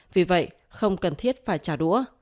vì vậy không cần thiết phải trả đũa